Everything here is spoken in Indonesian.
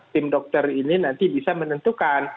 tim dokter ini nanti bisa menentukan